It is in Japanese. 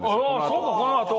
そうかこのあと？